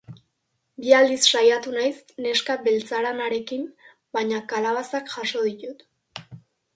Bi aldiz saiatu naiz neska beltzaranarekin, baina kalabazak jaso ditut.